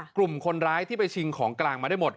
กลุ่มคนร้ายที่ไปชิงของกลางมาได้หมด